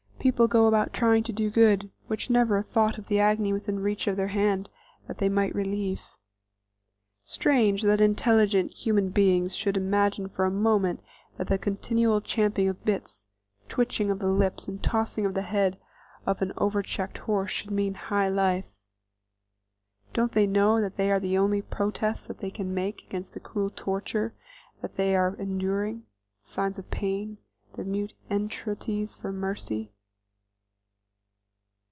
People go about trying to do good, with never a thought of the agony within reach of their hand that they might relieve. Strange that intelligent, human beings should imagine for a moment that the continual champing of bits, twitching of the lips, and tossing of the head of an over checked horse should mean "high life;" don't they know that they are the only protests that they can make against the cruel torture that they are enduring; the signs of pain; the mute entreaties for mercy?